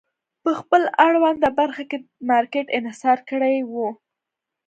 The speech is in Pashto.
په خپل اړونده برخه کې مارکېټ انحصار کړی و.